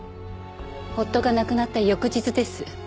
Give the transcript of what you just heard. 夫が亡くなった翌日です。